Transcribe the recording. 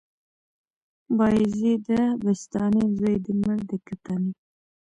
بايزيده بسطامي، زوى دې مړ د کتاني